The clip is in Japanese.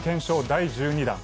第１２弾。